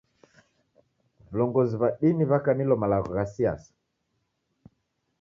Vilongozi w'a dini wakanilo malagho gha siasa.